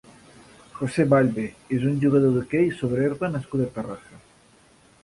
José Ballbe és un jugador d'hoquei sobre herba nascut a Terrassa.